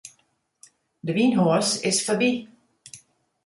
De wynhoas is foarby.